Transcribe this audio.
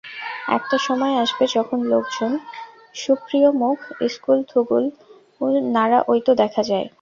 একটা সময় আসবে যখন লোকজন সুপ্রিমুখ স্কুল-থুগুল নাড়া ঐ তো দেখা যায়।